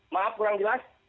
maaf kurang jelas